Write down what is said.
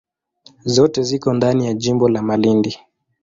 Zote ziko ndani ya jimbo la Malindi.